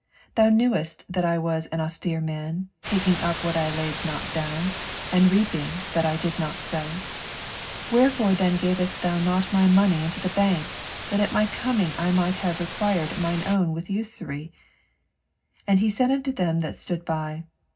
Thou Inewest that I was an austere man, taking up that I laid not down, and reaping that I did not sow. 23 Wherefore then gavest not thou my money into the bank, that at my coming I might have required mine own with usury ? 24 And he said unto them that stood by.